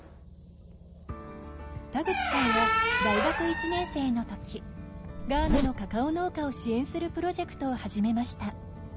田口さんは大学１年生のときガーナのカカオ農家を支援するプロジェクトを始めました。